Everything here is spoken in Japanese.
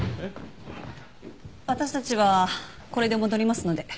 私たちはこれで戻りますので。